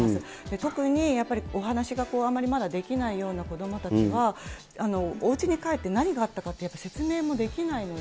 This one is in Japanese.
特にやっぱりお話があんまりできないような子どもたちは、おうちに帰って何があったかって、やっぱり説明もできないので。